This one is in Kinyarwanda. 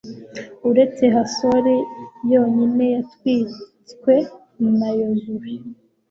uretse hasori yonyine yatwitswe na yozuwe